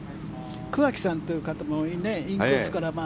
桑木さんという方もインコースからで。